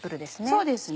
そうですね。